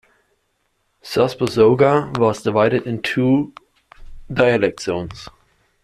Thus Busoga was divided into two dialect zones.